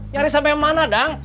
nyari sampai mana dang